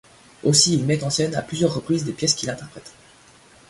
Aussi il met en scène à plusieurs reprises des pièces qu´il interprète.